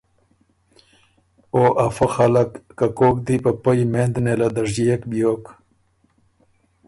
او ا فۀ خلق که کوک دی په پۀ یمېند نېله دژيېک بیوک